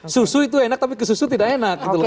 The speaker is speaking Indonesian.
susu itu enak tapi kesusu tidak enak gitu loh